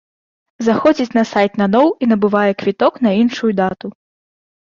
Заходзіць на сайт наноў і набывае квіток на іншую дату.